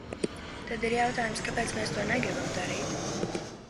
Tad ir jautājums: kāpēc mēs to negribam darīt?